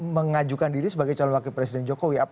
mengajukan diri sebagai calon wakil presiden jokowi